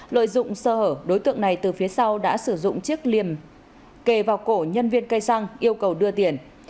lợi dụng sơ hở đối tượng này từ phía sau đã sử dụng chiếc liềm kề vào cổ nhân viên cây xăng yêu cầu đưa tiền